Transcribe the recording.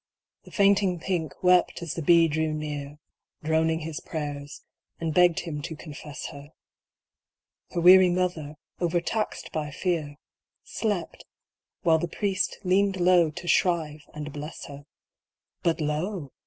The fainting Pink wept as the bee drew near, Droning his prayers, and begged him to confess her. Her weary mother, over taxed by fear, Slept, while the priest leaned low to shrive and bless her. But lo!